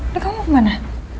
loh kamu kemana